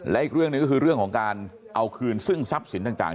และอีกเรื่องหนึ่งก็คือเรื่องของการเอาคืนซึ่งทรัพย์สินต่าง